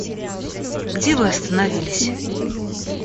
Где вы остановились?